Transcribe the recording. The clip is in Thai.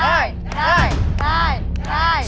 ได้ได้ได้ได้